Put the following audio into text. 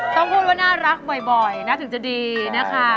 ต้องพูดว่าน่ารักบ่อยนะถึงจะดีนะคะ